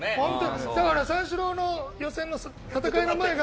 三四郎の予選の戦いの前が。